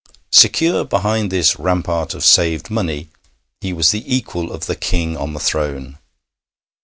Secure behind this rampart of saved money, he was the equal of the King on the throne.